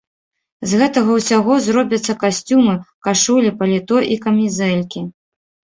З гэтага ўсяго зробяцца касцюмы, кашулі, паліто і камізэлькі.